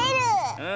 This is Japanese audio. うん。